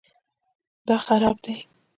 دا خراب دی